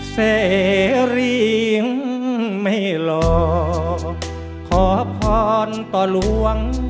เสรีไม่หล่อขอพรต่อหลวง